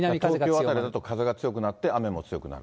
東京辺りだと風が強くなって、雨も強くなる。